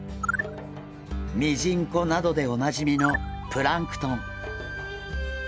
ミジンコなどでおなじみのプランクトン。